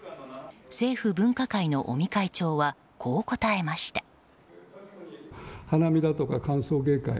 政府分科会の尾身会長はこう答えました。